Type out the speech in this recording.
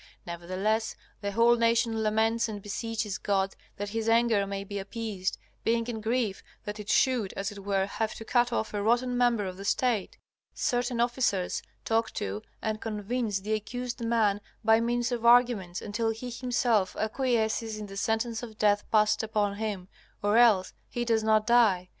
Nevertheless, the whole nation laments and beseeches God that his anger may be appeased, being in grief that it should, as it were, have to cut off a rotten member of the State. Certain officers talk to and convince the accused man by means of arguments until he himself acquiesces in the sentence of death passed upon him, or else he does not die.